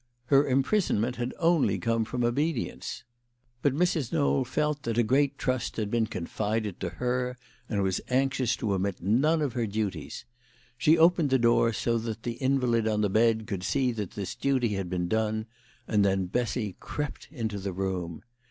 Her imprisonment had only come from obedience. But Mrs. Knowl felt that a great trust had been confided to her, and was anxious to omit none of her duties. She opened the door so that the invalid on the bed could see that this duty had been done, and then Bessy crept into the room.